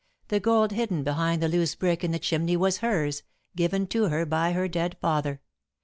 The gold hidden behind the loose brick in the chimney was hers, given to her by her dead father.